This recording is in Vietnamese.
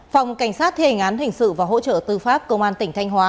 phòng cảnh sát thề ngán hình sự và hỗ trợ tư pháp công an tỉnh thanh hóa